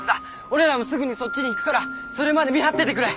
俺らもすぐにそっちに行くからそれまで見張っててくれ。